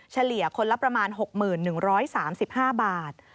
เฉลี่ยคนละประมาณ๖๑๓๕บาท